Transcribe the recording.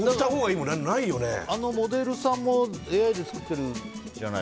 あのモデルさんもＡＩで作ってるじゃない。